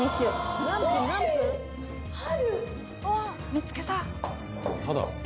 見つけた！